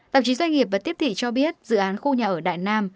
tạp chí doanh nghiệp và tiếp thị cho biết dự án khu nhà ở đại nam